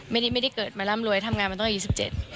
ไม่ได้เกิดมาร่ำรวยทำงานมาตั้งแต่๒๗